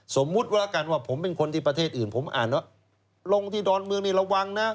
สมมุติว่าแล้วกันว่าผมเป็นคนที่ประเทศอื่นผมอ่านว่าลงที่ดอนเมืองนี่ระวังนะ